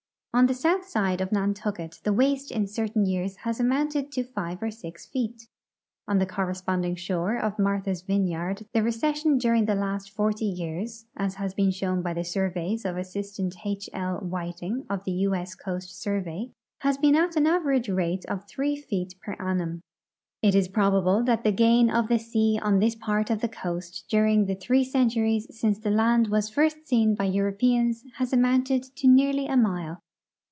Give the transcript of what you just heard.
On the south side of Nantucket the Avaste in certain years has amounted to five or six feet. On the corresponding shore of Martha's Vineyard the recession during the last forty years (as has been shown b}^ the surveys of Assistant H. L. Whiting, of the U. S. Coast Survey) has been at an average rate of three feet per annum. It is probable that the gain of the sea on this part of the coast during the three centuries since the land Avas first seen by Europeans has amounted to nearly a mile.